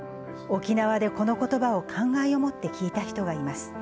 沖縄でこのことばを感慨をもって聞いた人がいます。